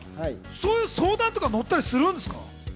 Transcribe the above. そういう相談とか乗ったりするんですか？